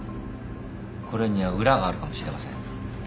これには裏があるかもしれません。